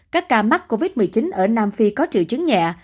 các ca mắc covid một mươi chín ở nam phi có triệu chứng nhẹ